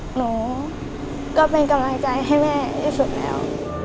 หนูก็เป็นกำลังใจให้แม่ที่สุดแล้ว